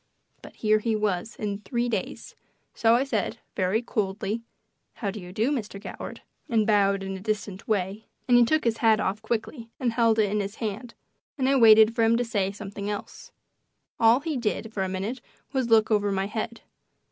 But here he was in three days, so I said, very coldly, "How do you do, Mr. Goward," and bowed in a distant way; and he took his hat off quickly and held it in his hand, and I waited for him to say something else. All he did for a minute was to look over my head.